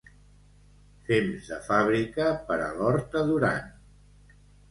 Fems de fàbrica per a l'horta Duran.